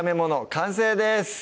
完成です